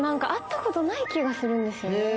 会ったことない気がするんですよね。